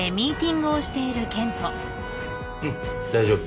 うん大丈夫。